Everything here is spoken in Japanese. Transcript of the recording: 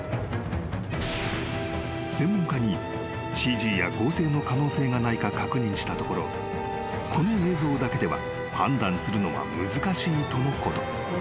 ［専門家にＣＧや合成の可能性がないか確認したところこの映像だけでは判断するのは難しいとのこと］